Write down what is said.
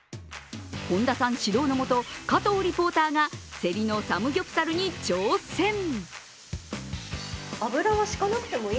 本田さん指導のもと、加藤リポーターがセリのサムギョプサルに挑戦。